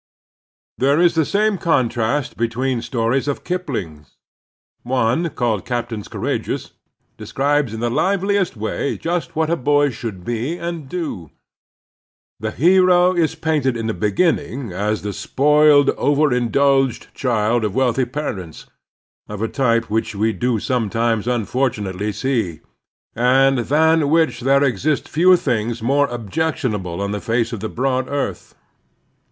There is the same contract between two stories of Kipling's. One, called '{Captains Courageous," describes in the liveliest way just what a boy should be and do. The hero is painted in the beginning as the spoiled, over indulged child of wealthy parents, of a type which we do sometimes unfortimately see, and than which there exist few things more objectionable on the face of the broad earth.